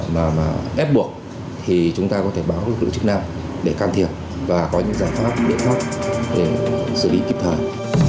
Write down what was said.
mà mà ép buộc thì chúng ta có thể báo được lựa chức nào để can thiệp và có những giải pháp để xác để xử lý kịp thời